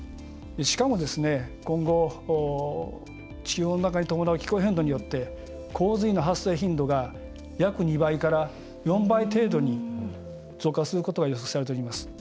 しかも、今後、地球温暖化に伴う気候変動によって洪水の発生頻度が約２倍から４倍程度に増加することが予測されております。